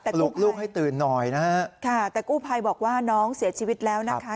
ปลุกลูกให้ตื่นหน่อยนะฮะค่ะแต่กู้ภัยบอกว่าน้องเสียชีวิตแล้วนะคะ